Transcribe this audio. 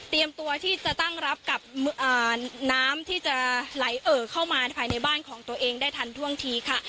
ตัวที่จะตั้งรับกับน้ำที่จะไหลเอ่อเข้ามาภายในบ้านของตัวเองได้ทันท่วงทีค่ะ